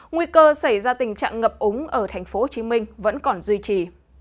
nguy cơ xảy ra tình trạng ngập úng ở tp hcm vẫn còn duy trì